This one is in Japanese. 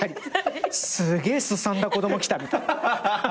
すげえすさんだ子供来たみたいな。